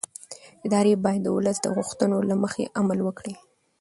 ادارې باید د ولس د غوښتنو له مخې عمل وکړي